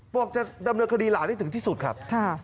บอกจะดำเนินคดีหลานให้ถึงที่สุดครับ